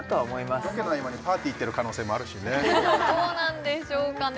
ロケの合間にパーティー行ってる可能性もあるしねどうなんでしょうかね